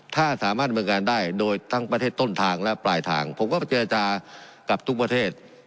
ถ้าสามารถบริการได้โดยทั้งประเทศต้นทางและปลายทางผมก็เจรจากับทุกประเทศ